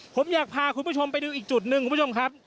ผมอยากพาคุณผู้ชมไปดูอีกจุดหนึ่งคุณผู้ชมครับ